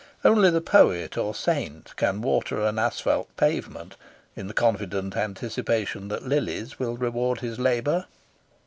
Only the poet or the saint can water an asphalt pavement in the confident anticipation that lilies will reward his labour.